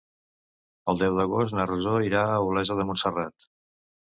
El deu d'agost na Rosó irà a Olesa de Montserrat.